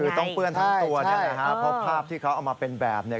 คือต้องเปื้อนทั้งตัวเนี่ยแหละฮะเพราะภาพที่เขาเอามาเป็นแบบเนี่ย